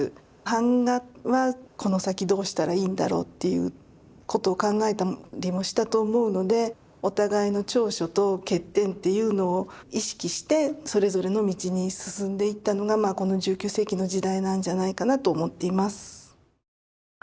版画はこの先どうしたらいいんだろうっていうことを考えたりもしたと思うのでお互いの長所と欠点っていうのを意識してそれぞれの道に進んでいったのがこの１９世紀の時代なんじゃないかなと思っています。